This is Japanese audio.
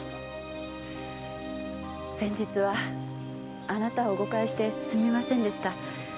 先日はあなたを誤解してすみませんでした。